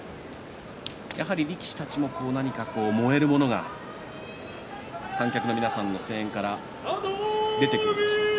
力士たちも何か燃えるものが観客の皆さんの声援から出てくるんでしょうか。